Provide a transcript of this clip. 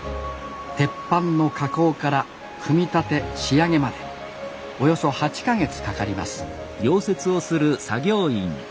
鉄板の加工から組み立て仕上げまでおよそ８か月かかります